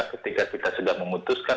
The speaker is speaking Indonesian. ketika kita sudah memutuskan